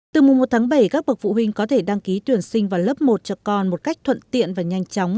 từ mùa một tháng bảy các bậc phụ huynh có thể đăng ký tuyển sinh vào lớp một cho con một cách thuận tiện và nhanh chóng